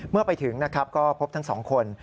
เมื่อไปถึงนะครับก็พบทั้งสองคน